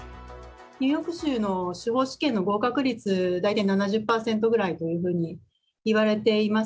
ニューヨーク州の司法試験の合格率、大体７０％ぐらいと言われています。